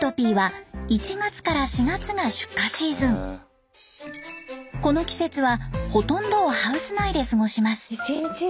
育てているこの季節はほとんどをハウス内で過ごします。